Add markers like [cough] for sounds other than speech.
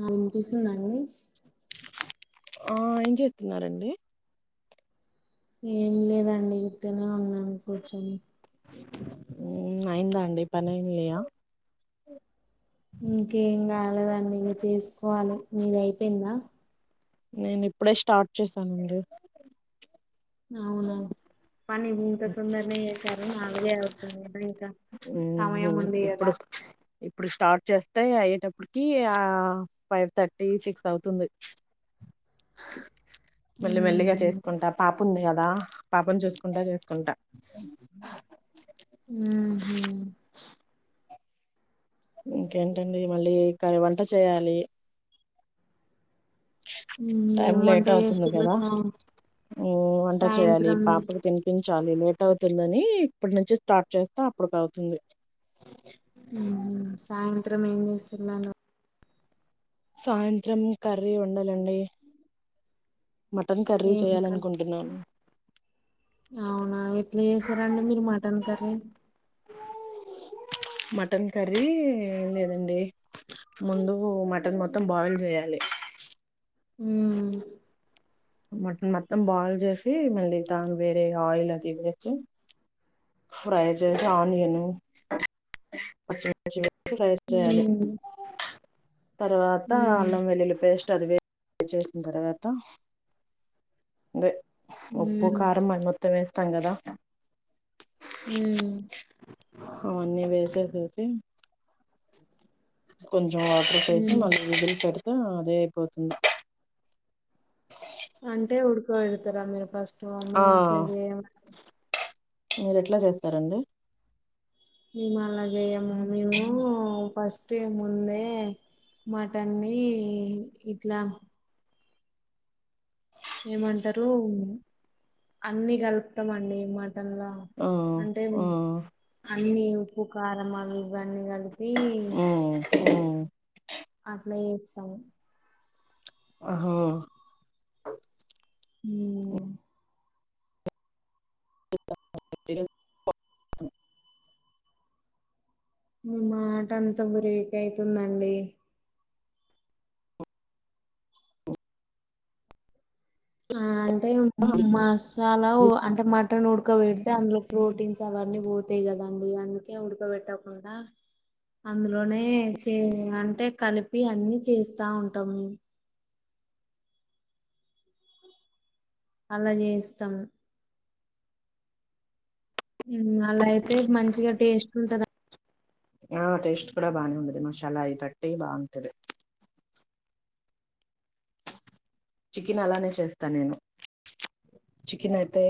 ఆ వినిపిస్తుందండి ఆ ఏం చేస్తున్నారండి ఏం లేదండి ఇక్కన్నే ఉన్నా అన్ ఫర్చునీ హుమ్ అయిందా అండి పనేమ్ లేయ ఇంకేం కాలేదండి ఇంగ చేసుకోవాలి మీద అయిపోయిందా నేను ఇప్పుడే స్టార్ట్ చేసానండి అవునా పని ఇంత తొందరనే చేసారు నాలుగే అవుతుంది కదా ఇంకా మ్మ్ సమయం ఉంది కదా ఇప్పుడు అప్పటికి ఆ ఫైవ్ థర్టీ సిక్స్ అవుతుంది మెల్లి మెల్లిగా ఉహు చేసుకుంటా పాపు ఉంది కదా దా పాప నీ చూసుకుంటా చేసుకుంటా హు హూ ఇంకేంటండి మళ్ళీ కరి వంట చేయాలి టైం ఏం వంట లేట్ అవుతుంది చేస్తులు కదా సాయం హు వంట చేయాలి సాయంత్రం పాపకు తినిపిం చాలీ లేట్ అవుతుందని ఇప్పటి నుంచి స్టార్ట్ చేస్తా అప్పుడుకి అవుతుంది ఉ సాయంత్రం ఏం చేస్తున్నాను సాయంత్రం కర్రీ వండాలండి మటన్ కర్రీ ఏమి కాదు చేయాలనుకుంటున్నాను అవునా ఎట్లా చేస్తారండీ మీరు మటన్ కర్రీ మటన్ కర్రీ లేదండి ముందు మటన్ మొత్తం బాయిల్ చేయాలి హుమ్ మటన్ మొత్తం బాయిల్ చేసి మళ్ళీ దాని వేరే ఆయిల్ అది ఇది వేసి ఫ్రై చేసి ఆనియన్ పచ్చిగ పచ్చిగ ఫ్రై చేయాలి ఉమ్ తర్వాత ఉమ్ అల్లం వెల్లుల్లి పేస్ అది వేడి చేసిన తర్వాత అదే ఉప్పు ఉమ్ కారం మన్ని త్తం స్తం గద హుమ్మ్ అవన్నీ వేకె చూసి కొం వాటర్ వేసి ఉమ్ మళ్ళీ విజిల్ పెట్ ఆహ్ అదేపోతుంది వేడుతరా మీరు ఫస్ట్ మమ్మీ మాట్లా చేయ మీరేట్ల చేస్తారండి మేం అలా జెయ్యం యూ మేము ఫస్టే ముందే మటన్ని ఇట్లా ఏమంటారు అన్ని కలుపుతామండి మం ల్లా ఆ అంటే ఆ అన్ని ఉప్పు కారమనీ బాన్ గల్ వీ ఉమ్ అట్లా ఏస్తాను ఆహో హుమ్మ్ [inaudible] మీ మాటంతా బ్రేక్ అయితుందండి ఆ ను అంటే మ సా లావ్ అంటే మట్ ట్టను ఉడకబెడితే అందులో ప్రోటీన్స్ అవన్నీ పోతాయి కదండి అందుకే ఉడకబెట్టకుండా అందులోనే చే అంటే కలిపి అన్ని చేస్తా ఉంటాము మేము అలా జేయిస్థం హుమ్మ్ అలా అయితే మంచిగా టేస్ట్ ఉంటదం ఆ టేస్ట్ కూడా బాగానే ఉండది మసాలా అయి తట్టి బాగుంటది చికెన్ అలానే చేస్తా నేను చికెన్ అయితే